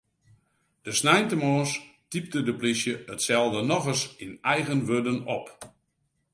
De sneintemoarns typte de plysje itselde nochris yn eigen wurden op.